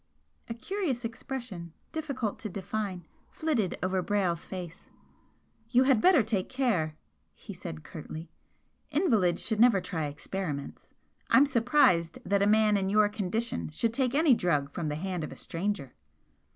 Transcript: A curious expression difficult to define flitted over Brayle's face. "You had better take care," he said, curtly "Invalids should never try experiments. I'm surprised that a man in your condition should take any drug from the hand of a stranger."